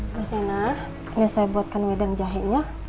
mbak sena ini saya buatkan wedang jahenya